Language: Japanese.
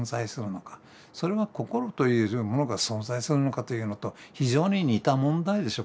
それは心というものが存在するのかというのと非常に似た問題でしょ